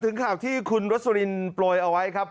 ข่าวที่คุณรสลินโปรยเอาไว้ครับ